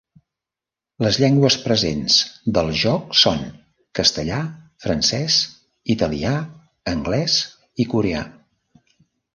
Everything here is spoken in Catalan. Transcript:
Les llengües presents del joc són Castellà, Francès, Italià, Anglès, i Coreà.